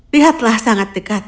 lihatlah sangat dekat